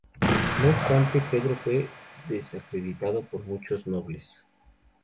No obstante, Pedro fue desacreditado por muchos nobles.